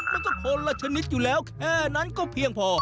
มันก็คนละชนิดอยู่แล้วแค่นั้นก็เพียงพอ